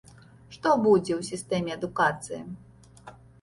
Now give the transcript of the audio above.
Што будзе ў сістэме адукацыі?